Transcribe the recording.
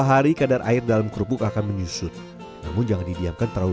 sehari kadar air dalam kerupuk akan menyusut namun jangan didiamkan terlalu